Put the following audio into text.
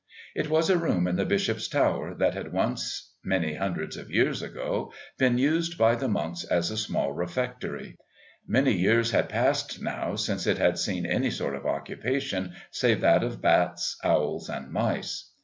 It was a room in the Bishop's Tower that had once, many hundreds of years ago, been used by the monks as a small refectory. Many years had passed now since it had seen any sort of occupation save that of bats, owls and mice.